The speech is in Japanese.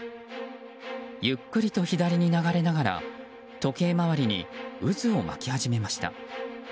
ゆっくりと左に流れながら時計回りに渦を巻き始めました。